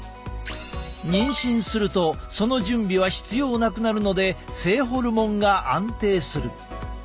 妊娠するとその準備は必要なくなるので性ホルモンが安定する。